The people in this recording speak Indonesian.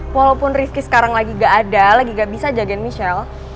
walaupun rizky sekarang lagi gak ada lagi gak bisa jagain michelle